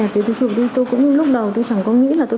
tôi cũng chưa nói với ai tôi làm công an tôi chỉ mặc lên như thế thôi